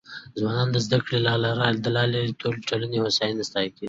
ځوانان د زده کړي له لارې د ټولنې د هویت ساتنه کيږي.